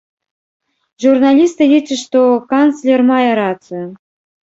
Журналісты лічаць, што канцлер мае рацыю.